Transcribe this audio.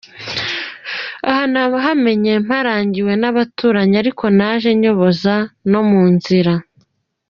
Aha nahamenye mparangiwe n’abaturanyi, ariko naje nyoboza no mu nzira.